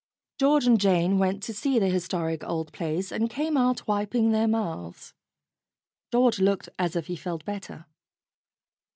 George and Jane went to see the historic old place, and came out wiping their mouths. George looked as if he felt better.